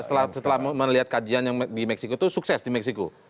setelah melihat kajian yang di meksiko itu sukses di meksiko